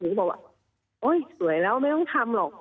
หนูบอกว่าเสวอยแล้วไม่ต้องทำเหรอ